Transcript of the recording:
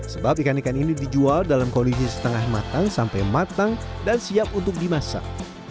sebab ikan ikan ini dijual dalam kondisi setengah matang sampai matang dan siap untuk dimasak